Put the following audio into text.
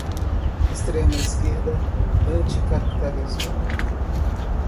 Extrema-esquerda, anticapitalismo